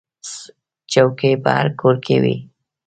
چوکۍ په هر کور کې وي.